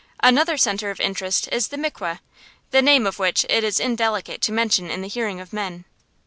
Another centre of interest is the mikweh, the name of which it is indelicate to mention in the hearing of men.